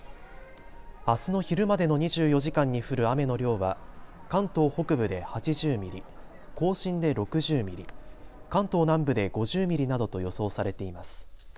あすの昼までの２４時間に降る雨の量は関東北部で８０ミリ、甲信で６０ミリ、関東南部で５０ミリなどと予想されています。